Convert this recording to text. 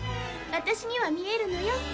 私には見えるのよ。